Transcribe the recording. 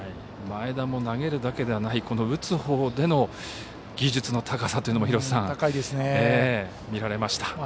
前田も投げるだけではない打つほうでの技術の高さというのも見られました。